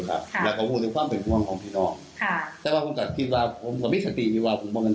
แกนาคาขอโทษพอให้ล่ะก่อน